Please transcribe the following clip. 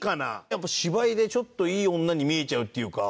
やっぱ芝居でちょっといい女に見えちゃうっていうか。